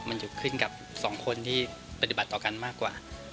มันจะขึ้นกับสองคนที่ปฏิบัติต่อกันมากกว่า